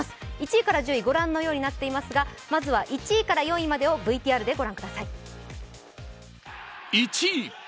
１位から１０位御覧のようになっていますが、まずは１位から４位までをＶＴＲで御覧ください。